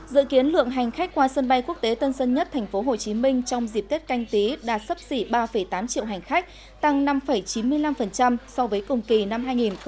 dự kiến lượng hành khách qua sân bay quốc tế tân sân nhất tp hcm trong dịp tết canh tí đạt sấp xỉ ba tám triệu hành khách tăng năm chín mươi năm so với cùng kỳ năm hai nghìn một mươi chín